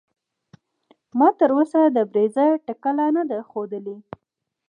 ما تر اوسه د بریځر ټکله نده خودلي.